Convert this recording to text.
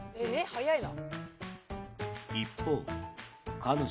早いな。